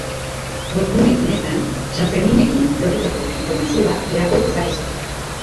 Webgune honetan Sanferminekin lotutatutako informazioa irakur dezakezu.